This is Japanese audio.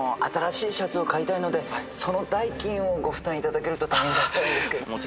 新しいシャツを買いたいのでその代金をご負担いただけると大変助かるんですけど。